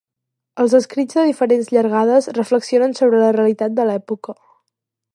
Els escrits de diferents llargades reflexionen sobre la realitat de l'època.